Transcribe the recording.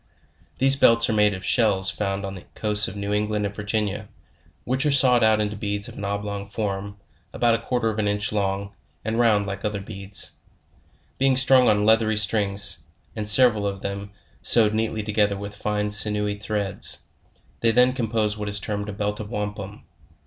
These belts are made of shells found on the coasts of New England and Virginia, which are sawed out into beads of an oblong form, about a quarter of an inch long, and round like other beads. Being strung on leather strings, and several of them sewed neatly together with fine sinewy threads, they then compose what is termed a belt of wampum.